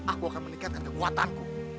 aku akan meningkatkan kekuatanku